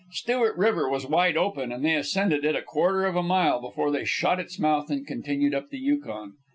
Stewart River was wide open, and they ascended it a quarter of a mile before they shot its mouth and continued up the Yukon.